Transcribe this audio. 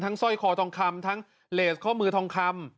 สร้อยคอทองคำทั้งเลสข้อมือทองคำ